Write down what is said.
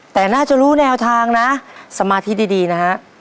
แต่น่าจะรู้แนวทางนะสมาธิดีนะฮะ